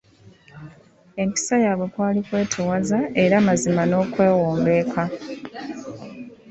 Empisa yaabwe kwali kwetoowaza era mazima n'okwewombeeka.